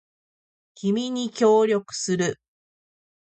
君に協力する